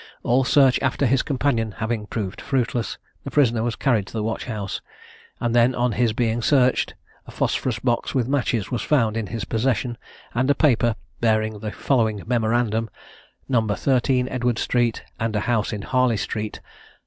All search after his companion having proved fruitless, the prisoner was carried to the watch house, and then on his being searched, a phosphorus box with matches was found in his possession, and a paper bearing the following memorandum: "No 13, Edward street, and a house in Harley street; No.